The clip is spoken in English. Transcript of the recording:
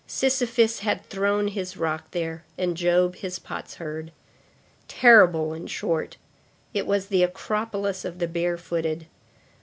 Sisyphus had thrown his rock there and Job his potsherd. Terrible, in short. It was the acropolis of the barefooted.